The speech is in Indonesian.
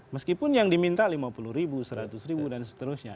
meskipun yang diminta rp lima puluh ribu seratus ribu dan seterusnya